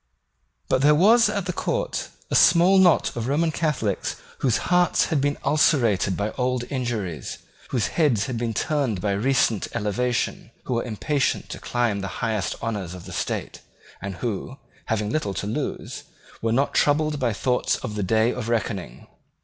But there was at the court a small knot of Roman Catholics whose hearts had been ulcerated by old injuries, whose heads had been turned by recent elevation, who were impatient to climb to the highest honours of the state, and who, having little to lose, were not troubled by thoughts of the day of reckoning.